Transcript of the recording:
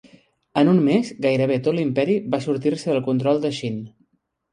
En un mes, gairebé tot l'imperi va sortir-se del control de Xin.